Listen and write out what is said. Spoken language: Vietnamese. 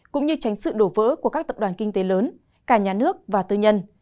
cũng như tránh sự đổ vỡ của các tập đoàn kinh tế lớn cả nhà nước và tư nhân